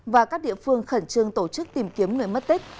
và các địa phương khẩn trương tổ chức tìm kiếm người mất tích